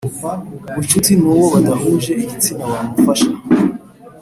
ubucuti n uwo badahuje igitsina wamufasha